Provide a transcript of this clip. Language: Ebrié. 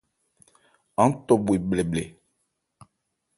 Án tɔ bhwe bhlɛbhlɛ.